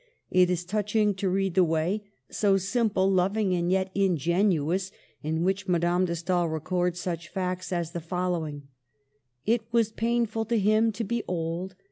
It is touching to read the way — so simple, loving, and yet ingenuous — in which Madame de Stael records such facts as the following :—" It was painful to him to be old.